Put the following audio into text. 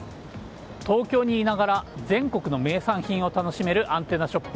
東京にいながら、全国の名産品を楽しめるアンテナショップ。